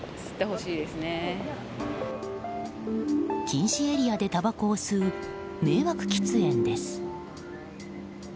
禁止エリアでたばこを吸う迷惑喫煙です。